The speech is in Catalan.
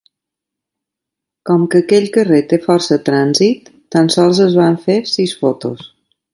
Com que aquell carrer té força trànsit, tan sols es van fer sis fotos.